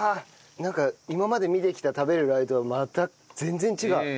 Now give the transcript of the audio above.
なんか今まで見てきた食べるラー油とはまた全然違う。